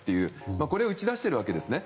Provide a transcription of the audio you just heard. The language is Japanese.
これを打ち出してるわけですね。